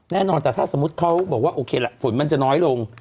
แน่นอนแต่ถ้าสมมุติเขาบอกว่าโอเคละฝนมันจะน้อยลง